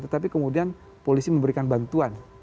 tetapi kemudian polisi memberikan bantuan